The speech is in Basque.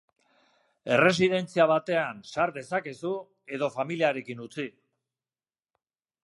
Erresidentzia batean sar dezakezu, edo familiarekin utzi.